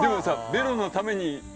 ベロのために。